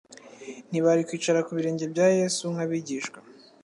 ntibari kwicara ku birenge bya Yesu nk'abigishwa.